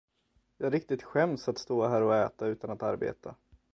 Jag riktigt skäms att stå här och äta utan att arbeta.